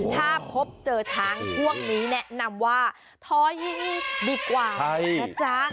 ถ้าพบเจอช้างช่วงนี้แนะนำว่าท้อยิ่งดีกว่านะจ๊ะ